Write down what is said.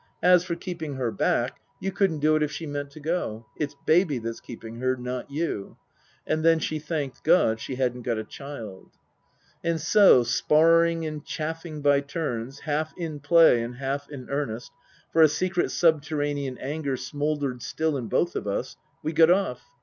As for keeping her back, you couldn't do it if she meant to go. It's Baby that's keeping her, not you." And then she thanked God she hadn't got a child. And so, sparring and chaffing by turns, half in play and half in earnest for a secret subterranean anger smouldered still in both of us we got off.